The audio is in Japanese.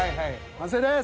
完成です。